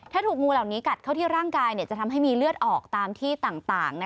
ถ้าถูกงูเหล่านี้กัดเข้าที่ร่างกายจะทำให้มีเลือดออกตามที่ต่าง